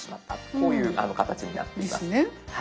こういう形になっています。